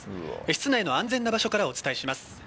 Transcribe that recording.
室内の安全な場所からお伝えします。